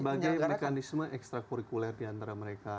sebagai mekanisme ekstra kurikuler diantara mereka